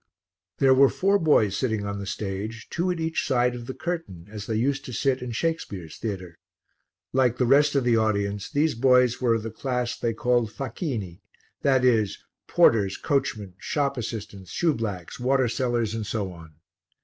There were four boys sitting on the stage, two at each side of the curtain, as they used to sit in Shakespeare's theatre. Like the rest of the audience, these boys were of the class they call Facchini, that is, porters, coachmen, shop assistants, shoeblacks, water sellers, and so on.